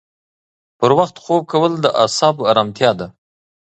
پر وخت خوب کول د اعصابو ارامتیا ده.